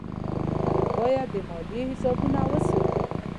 خلک باید د مالیې حسابونه وساتي.